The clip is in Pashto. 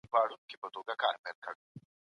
د ماشومانو ذهني روغتیا ته پام وکړئ.